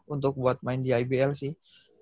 untuk buat main di ibl sih